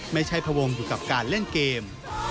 ไม่ใช่พวงอยู่กับการเล่นเกม